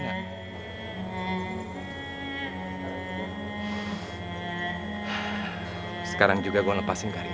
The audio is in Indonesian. aku sudah selesai